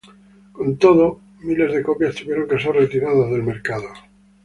Con todo, miles de copias tuvieron que ser retiradas del mercado.